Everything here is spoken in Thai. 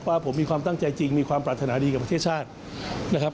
ว่าผมมีความตั้งใจจริงมีความปรารถนาดีกับประเทศชาตินะครับ